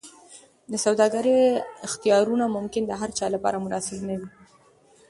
د سوداګرۍ اختیارونه ممکن د هرچا لپاره مناسب نه وي.